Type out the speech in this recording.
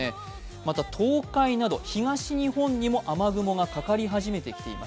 また、東海など東日本にも雨雲がかかり始めています。